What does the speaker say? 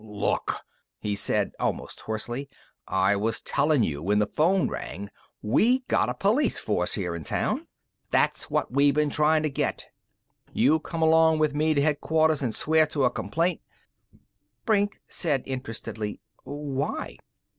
"Look!" he said almost hoarsely, "I was tellin' you when the phone rang! We got a police force here in town! This's what we've been tryin' to get! You come along with me to Headquarters an' swear to a complaint " Brink said interestedly: "Why?"